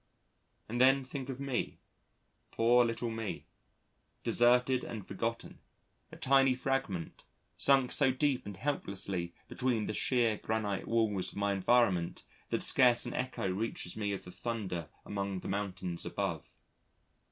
And then think of me, poor little me, deserted and forgotten, a tiny fragment sunk so deep and helplessly between the sheer granite walls of my environment that scarce an echo reaches me of the thunder among the mountains above.